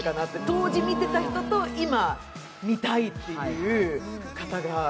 当時見てた人と、今、見たいっていう方が。